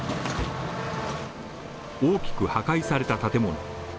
大きく破壊された建物。